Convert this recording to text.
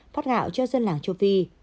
phát gạo cho dân làng châu phi